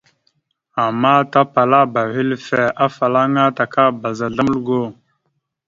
Ama tapalaba hʉlfœ afalaŋa takabaz azzlam algo.